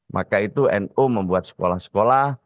maka itu nu membuat sekolah sekolah